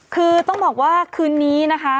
คือต้องบอกว่าคืนนี้นะคะ